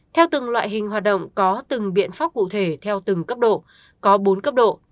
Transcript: theo từng loại hình hoạt động có từng biện pháp cụ thể theo từng cấp độ có bốn cấp độ